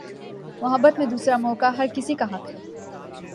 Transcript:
محبت میں دوسرا موقع ہر کسی کا حق ہے